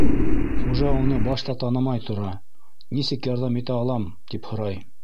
Хужа уны башта танымай тора, нисек ярҙам итә алам, тип һорай.